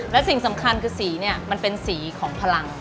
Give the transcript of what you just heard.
และสิ่งสำคัญคือสีเนี่ยมันเป็นสีของพลัง